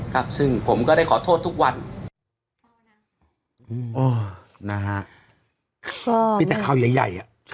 ครับซึ่งผมก็ได้ขอโทษทุกวันอืมอ๋อนะฮะก็มีแต่ข่าวใหญ่ใหญ่อ่ะ